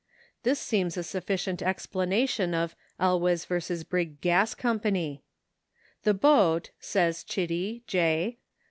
This seems a sufficient explanation of Ehoes v. Brigg Gas Co. "The boat," says Chitty, J.